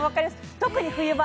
特に冬場